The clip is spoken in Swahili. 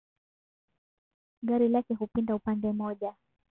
Gari lake hupinda upande moja